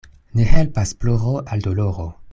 Ne helpas ploro al doloro.